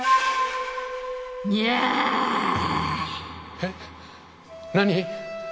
えっ？何？